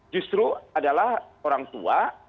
justru adalah orang tua